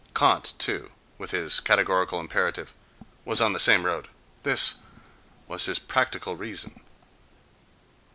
Kant, too, with his categorical imperative, was on the same road: this was his practical reason.